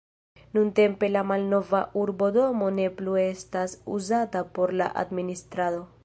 Nuntempe la malnova urbodomo ne plu estas uzata por la administrado.